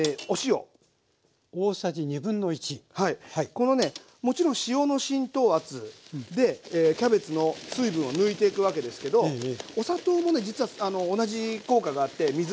このねもちろん塩の浸透圧でキャベツの水分を抜いていくわけですけどお砂糖もね実は同じ効果があって水が抜けるんですよ。